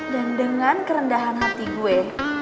dan dengan kerendahan hati gue